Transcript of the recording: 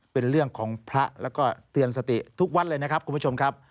เป็นเรื่องของพระแล้วก็เตือนสติทุกวัดเลยนะครับคุณผู้ชมครับ